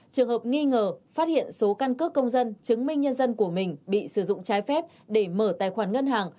trường hợp nghi ngờ phát hiện số căn cước công dân chứng minh nhân dân của mình bị sử dụng trái phép để mở tài khoản ngân hàng